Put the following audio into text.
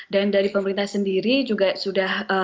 dan dari pemerintah sendiri juga sudah